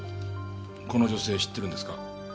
この女性知ってるんですか？